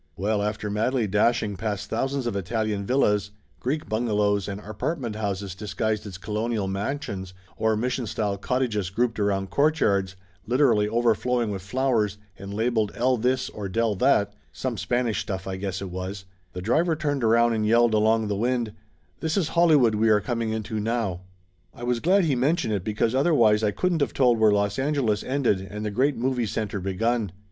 Well, after madly dashing past thousands of Italian villas, Greek bungalows and apartment houses dis guised as colonial mansions or mission style cottages grouped around courtyards literally overflowing with flowers and labeled El This or Del That some Span ish stuff, I guess it was the driver turned around and yelled along the wind, "This is Hollywood we are coming into now!" I was glad he mentioned it because otherwise I couldn't of told where Los Angeles ended and the great movie center begun.